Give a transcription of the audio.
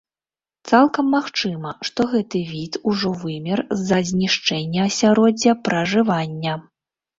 Цалкам магчыма, што гэты від ужо вымер з-за знішчэння асяроддзя пражывання.